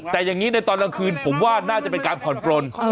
แต่อย่างนี้ในตอนกลางคืนผมว่าน่าจะเป็นการผ่อนปลน